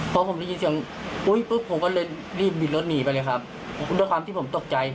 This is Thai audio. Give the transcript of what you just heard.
พอผมได้ยินเสียงปุ๊ยปุ๊บผมก็เลยรีบบินรถหนีไปเลยครับด้วยความที่ผมตกใจ